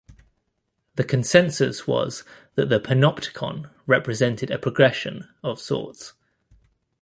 The consensus was that "Panopticon" represented a progression, of sorts.